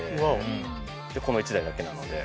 この１台だけなので。